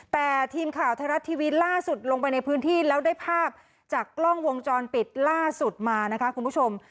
แต่ทีมข่าวไทยรัฐทีวีล่าสุดลงไปในพื้นที่แล้วได้ภาพจากกล้องวงจรปิดล่าสุดมานะคะคุณผู้ชม